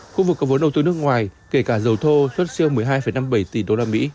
khu vực có vốn đầu tư nước ngoài kể cả dầu thô xuất siêu một mươi hai năm mươi bảy tỷ usd